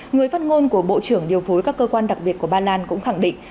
người phát ngôn của bộ trưởng điều phối các cơ quan đặc biệt của ba lan cũng khẳng định